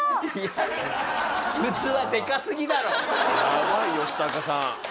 やばいヨシタカさん。